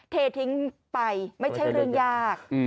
เททิ้งไปไม่ใช่เรื่องยาก